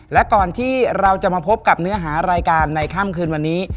และก่อนที่เราจะมาพบกับเนื้อหารายการในค่ำคืนวันนี้